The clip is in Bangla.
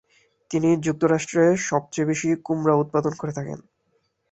তিনি যুক্তরাষ্ট্রে সবচেয়ে বেশি কুমড়া উৎপাদন করে থাকেন।